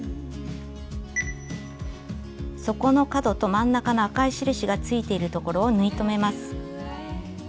底の角と真ん中の赤い印がついているところを縫い留めます。